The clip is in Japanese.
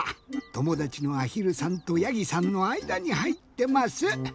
ともだちのあひるさんとやぎさんのあいだにはいってます。